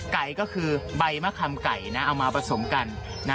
ไก่ก็คือใบมะคำไก่นะเอามาผสมกัน